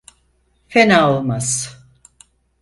Fena olmaz.